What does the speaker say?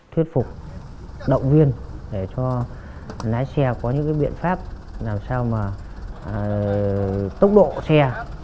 thuyết phục động viên để cho lái xe có những biện pháp làm sao mà tốc độ xe